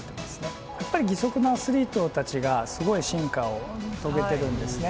やっぱり義足のアスリートたちがすごい進化を遂げてるんですね。